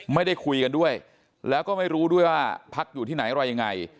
ไม่ได้คุยกันด้วยแล้วก็ไม่รู้ด้วยว่าพักอยู่ที่ไหนอะไรยังไง